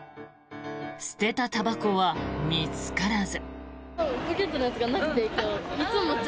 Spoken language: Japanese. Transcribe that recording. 捨てたたばこは見つからず。